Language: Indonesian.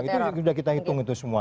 itu sudah kita hitung itu semua